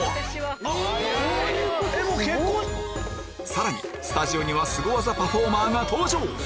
さらにスタジオにはすご技パフォーマーが登場！